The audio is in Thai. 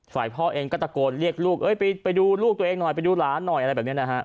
ฝ่ายพ่อเองก็ตะโกนเรียกลูกไปดูลูกตัวเองหน่อยไปดูหลานหน่อยอะไรแบบนี้นะฮะ